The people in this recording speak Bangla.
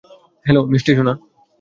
হ্যালো, মিষ্টি সোনা।